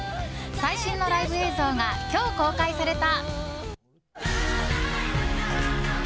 最新のライブ映像が今日公開された。